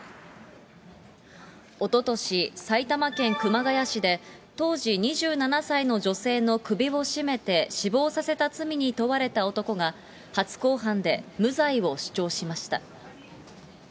おととし、埼玉県熊谷市で、当時２７歳の女性の首を絞めて死亡させた罪に問われた男が、初公判で無罪を主張しました。